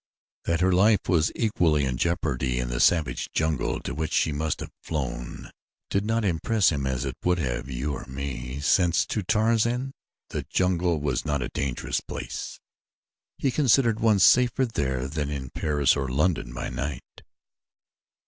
That her life was equally in jeopardy in the savage jungle to which she must have flown did not impress him as it would have you or me, since to Tarzan the jungle was not a dangerous place he considered one safer there than in Paris or London by night.